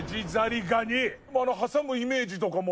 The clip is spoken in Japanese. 挟むイメージとかも。